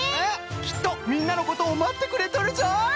きっとみんなのことをまってくれとるぞい！